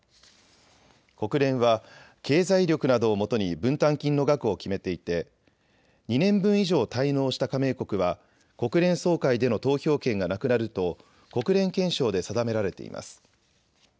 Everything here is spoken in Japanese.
国連は経済力などをもとに分担金の額を決めていて２年分以上滞納した加盟国は国連総会での投票権がなくなると国連憲章で定められています。